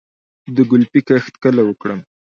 د ګلپي کښت کله وکړم؟